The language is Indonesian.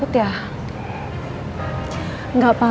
ini baru pas